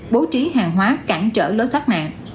bố trí hàng hóa cản trở lối thoát nạn